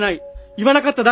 言わなかっただけ！